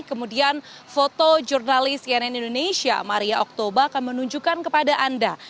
kemudian foto jurnalis cnn indonesia maria oktober akan menunjukkan kepada anda